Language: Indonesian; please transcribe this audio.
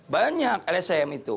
banyak lsm itu